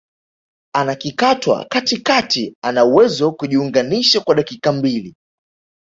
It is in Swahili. anakikatwa katikati anawezo kujiunganisha kwa dakika mbili